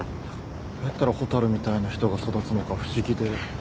どうやったら蛍みたいな人が育つのか不思議で。